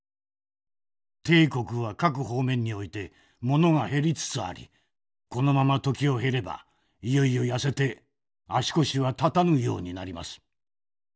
帝国は各方面において物が減りつつありこのまま時を経ればいよいよ痩せて足腰は立たぬようになります。